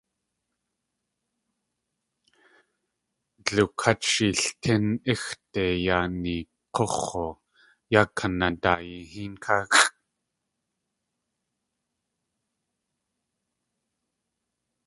Dliwkát sh eeltín íxde yaa neek̲úx̲u yáa kanaadaayi héen káxʼ.